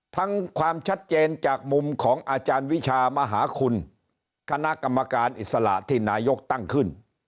ความชัดเจนจากมุมของอาจารย์วิชามหาคุณคณะกรรมการอิสระที่นายกตั้งขึ้น